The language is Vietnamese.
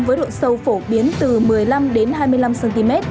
với độ sâu phổ biến từ một mươi năm đến hai mươi năm cm